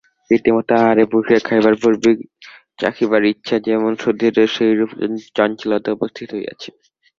রীতিমত আহারে বসিয়া খাইবার পূর্বেই চাখিবার ইচ্ছা যেমন, সুধীরের সেইরূপ চঞ্চলতা উপস্থিত হইয়াছে।